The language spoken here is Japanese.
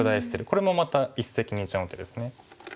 これもまた一石二鳥の手ですね。